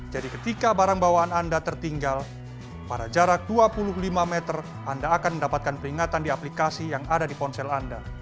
jadi ketika barang bawaan anda tertinggal pada jarak dua puluh lima meter anda akan mendapatkan peringatan di aplikasi yang ada di ponsel anda